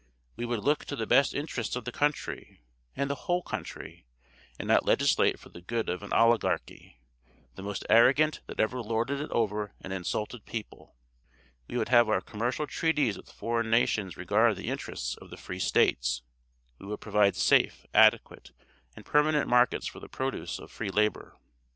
We would look to the best interests of the country, and the whole country, and not legislate for the good of an Oligarchy, the most arrogant that ever lorded it over an insulted people. We would have our commercial treaties with foreign nations regard the interests of the Free states. We would provide safe, adequate, and permanent markets for the produce of free labor.